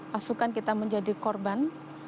pasukan kita menjadi korban